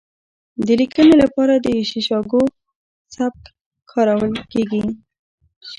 د لیکنې لپاره د شیکاګو سبک کارول کیږي.